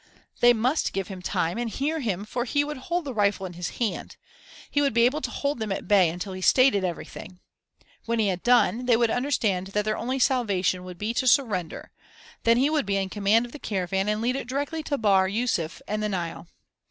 They must give him time and hear him for he would hold the rifle in his hand; he would be able to hold them at bay until he stated everything. When he had done, they would understand that their only salvation would be to surrender. Then he would be in command of the caravan and lead it directly to Bahr Yûsuf and the Nile.